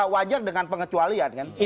wajar dengan pengecualian kan